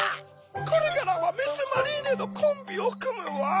これからはミス・マリーネとコンビをくむわ。